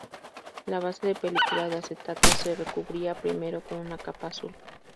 La base de película de acetato se recubría primero con una capa azul.